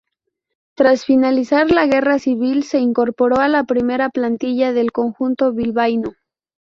Tras finalizar la Guerra Civil, se incorporó a la primera plantilla del conjunto bilbaíno.